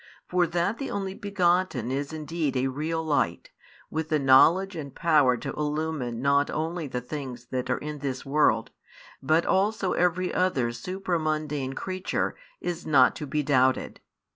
For that the Only Begotten is indeed a real Light, with the knowledge and power to illumine not only the things that are in this world, but also every other supramundane creature, is not to be doubted.